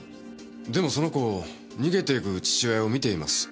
でもその子逃げていく父親を見ています。